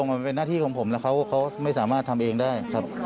ไม่มีครับไม่มี